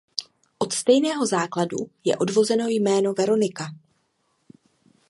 Od stejného základu je odvozeno jméno Veronika.